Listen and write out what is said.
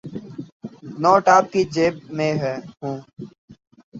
Note آپ کی جیب میں ہوں۔